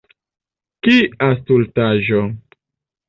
Kia stultaĵo!